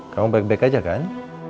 kamu baik baik aja kan